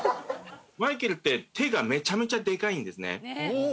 マイケルって手がめちゃめちゃでかいんですね。